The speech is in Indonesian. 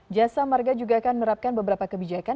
jasa marga juga akan menerapkan beberapa kebijakan